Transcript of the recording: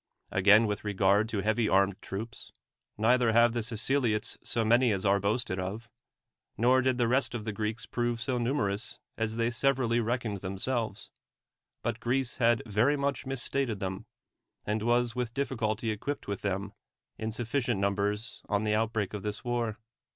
Again, with regard to heavy armed troops, neither have the Siceliots so many as are boasted of, nor did the rest of the G reeks prove so numer ous as they severally reckoned themselves; but Greece had very much misstated them, and was with difficulty equipped with them in sufficient numbers on the outbreak of this war.